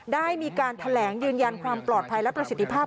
ได้มีการแถลงยืนยันความปลอดภัยและประสิทธิภาพ